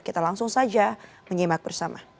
kita langsung saja menyimak bersama